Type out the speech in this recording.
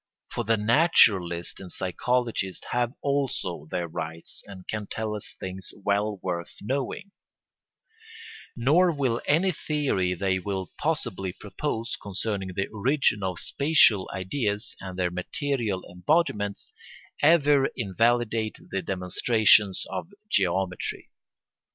For the naturalist and psychologist have also their rights and can tell us things well worth knowing; nor will any theory they may possibly propose concerning the origin of spatial ideas and their material embodiments ever invalidate the demonstrations of geometry.